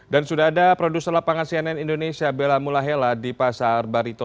dan sudah ada produser lapangan cnn indonesia bela mulahela di pasar barito